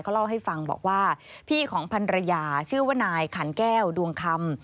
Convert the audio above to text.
เล่าให้ฟังบอกว่าพี่ของพันรยาชื่อว่านายขันแก้วดวงคำ